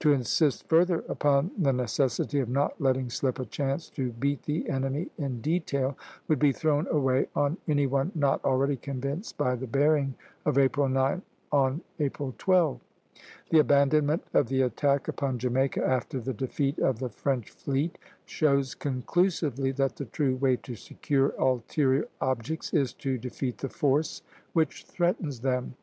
To insist further upon the necessity of not letting slip a chance to beat the enemy in detail, would be thrown away on any one not already convinced by the bearing of April 9 on April 12. The abandonment of the attack upon Jamaica, after the defeat of the French fleet, shows conclusively that the true way to secure ulterior objects is to defeat the force which threatens them.